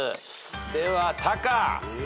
ではタカ。え！？